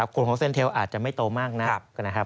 คุณโฮ้เซ็นเทลอาจจะไม่โตมากนะครับ